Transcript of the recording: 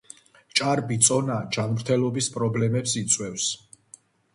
ჭარბი წონა ჯანმრთელობის პრობლემებს იწვევს.